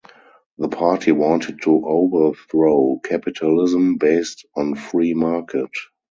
The party wanted to overthrow capitalism based on free market.